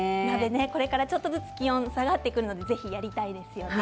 これから、ちょっとずつ気温が下がってくるので鍋やりたいですね。